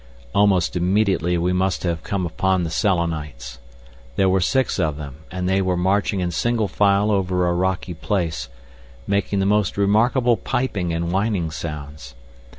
Almost immediately we must have come upon the Selenites. There were six of them, and they were marching in single file over a rocky place, making the most remarkable piping and whining sounds.